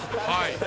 はい。